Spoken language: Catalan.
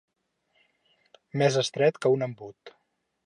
Més estret que un embut.